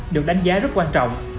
được đánh giá rất quan trọng